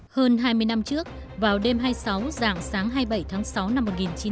hơn hai mươi năm trước vào đêm hai mươi sáu dạng sáng hai mươi bảy tháng sáu năm một nghìn chín trăm bảy mươi